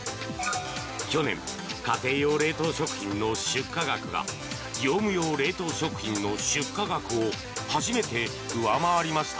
去年、家庭用冷凍食品の出荷額が業務用冷凍食品の出荷額を初めて上回りました。